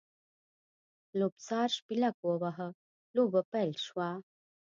لوبڅار شپېلک ووهه؛ لوبه پیل شوه.